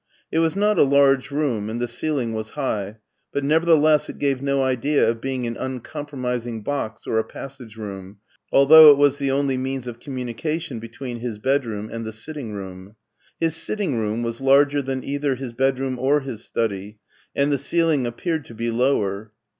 It was not a large room, and the ceiling was high, but nevertheless it gave no idea of being an uncompromis ing box or a passage room, although it was the only means of communication between his bedroom and the sitting room. His sitting room was larger than either his bedroom or his study, and the ceiling appeared to be lower.